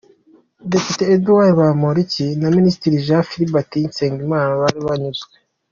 Depite Edouard Bamporiki na Minisitiri Jean Philbert Nsengimana bari banyuzwe.